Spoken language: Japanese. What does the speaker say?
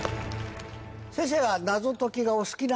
先生は。